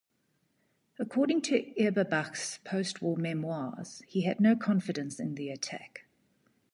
According to Eberbach's post-war memoirs, he had no confidence in the attack.